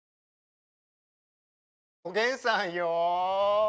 おげんさんよ！